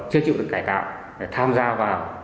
chưa chịu được cải tạo để tham gia vào